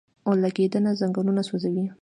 اورلګیدنه ځنګلونه سوځوي